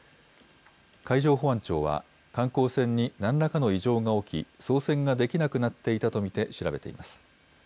海上保安庁は、観光船になんらかの異常が起き、操船ができなくなっていたと見て調べています。